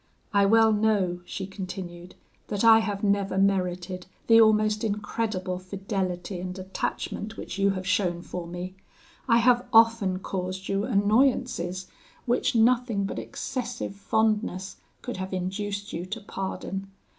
I well know,' she continued, 'that I have never merited the almost incredible fidelity and attachment which you have shown for me. I have often caused you annoyances, which nothing but excessive fondness could have induced you to pardon.